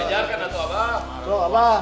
diajarkan dato' abah